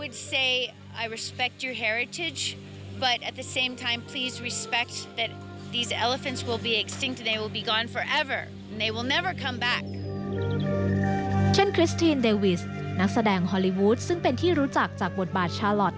คริสทีนเดวิสนักแสดงฮอลลีวูดซึ่งเป็นที่รู้จักจากบทบาทชาลอท